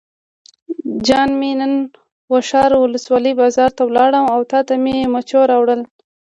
جان مې نن واشر ولسوالۍ بازار ته لاړم او تاته مې مچو راوړل.